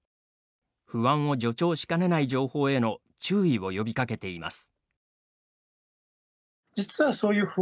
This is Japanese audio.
不安を助長しかねない情報への注意を呼びかけています。